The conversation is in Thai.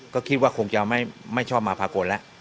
ก็คิดว่าคงจะไม่ชอบมาภาโกนละ